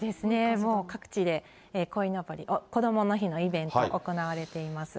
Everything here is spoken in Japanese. もう各地でこいのぼり、こどもの日のイベント、行われています。